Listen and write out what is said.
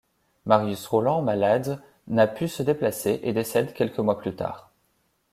Marius Rolland, malade, n'a pu se déplacer et décède quelques mois plus tard.